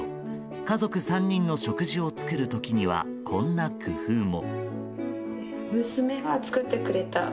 家族３人の食事を作る時にはこんな工夫も。